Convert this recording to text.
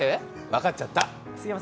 分かっちゃった。